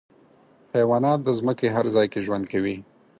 حیوانات د ځمکې هر ځای کې ژوند کوي.